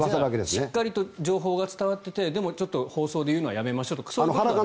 しっかりと情報が伝わっていてでも、放送で言うのはやめましょうとかそういうことはなかった？